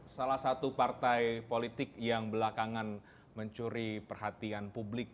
salah satu partai politik yang belakangan mencuri perhatian publik